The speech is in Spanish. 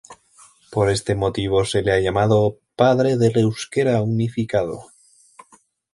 Por este motivo se le ha llamado ""Padre del euskera unificado"".